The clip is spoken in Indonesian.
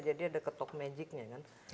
jadi ada ketok magic nya kan